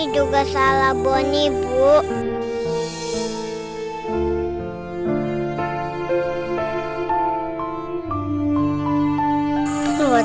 tidak zagarb sus lindas